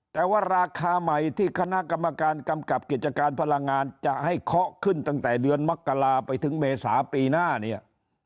แต่ว่าราคาใหม่ที่คณะกรรมการกำกับกิจการพลังงานจะให้เคาะขึ้นตั้งแต่เดือนมกราไปถึงเมษาปีหน้าเนี่ย